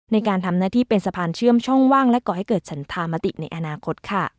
ในการทำหน้าที่เป็นสะพานเชื่อมช่องว่างและก่อให้เกิดฉันธามติในอนาคตค่ะ